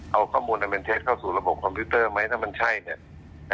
เอาข้อมูลอันเป็นเท็จเข้าสู่ระบบคอมพิวเตอร์ไหมถ้ามันใช่เนี่ย